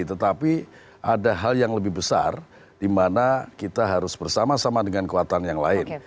tetapi ada hal yang lebih besar di mana kita harus bersama sama dengan kekuatan yang lain